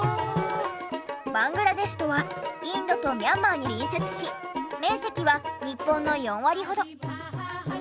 バングラデシュとはインドとミャンマーに隣接し面積は日本の４割ほど。